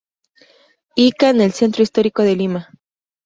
Ica en el Centro histórico de Lima.